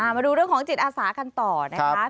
มาดูเรื่องของจิตอาสากันต่อนะคะ